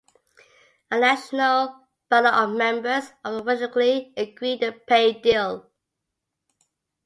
A national ballot of members overwhelmingly agreed the pay deal.